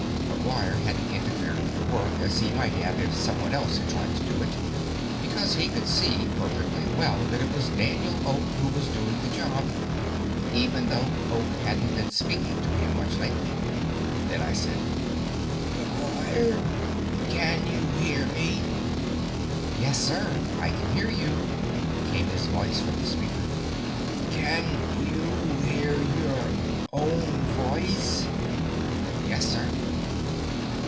McGuire hadn't interfered with the work, as he might have if someone else had tried to do it, because he could see perfectly well that it was Daniel Oak who was doing the job, even though Oak hadn't been speaking to him much lately. Then I said: "McGuire, can you hear me?" "Yes, sir; I can hear you," came his voice from the speaker. "Can you hear your own voice?" "Yes, sir."